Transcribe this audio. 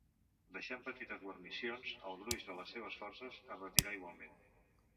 Deixant petites guarnicions, el gruix de les seves forces es retirà igualment.